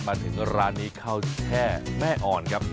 มาถึงร้านนี้ข้าวแช่แม่อ่อนครับ